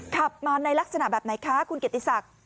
ขับมาในลักษณะแบบไหนคะคุณเกียรติศักดิ์